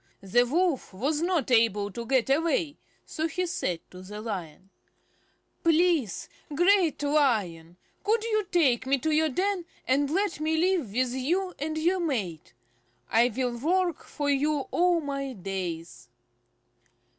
The Wolf was not able to get away, so he said to the Lion: "Please, Great Lion, could you take me to your den, and let me live with you and your mate? I will work for you all my days."